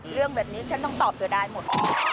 เรื่องแบบนี้ฉันต้องตอบตัวได้หมด